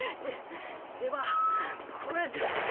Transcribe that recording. でではこれで。